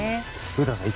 古田さん